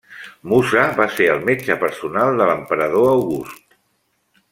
Musa va ser el metge personal de l'emperador August.